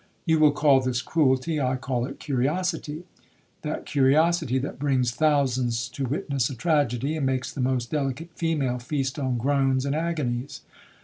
You will call this cruelty, I call it curiosity,—that curiosity that brings thousands to witness a tragedy, and makes the most delicate female feast on groans and agonies.